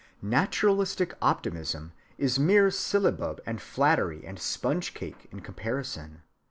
Naturalistic optimism is mere syllabub and flattery and sponge‐cake in comparison.